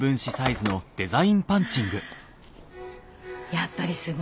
やっぱりすごいね。